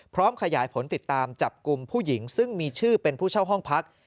ขยายผลติดตามจับกลุ่มผู้หญิงซึ่งมีชื่อเป็นผู้เช่าห้องพัก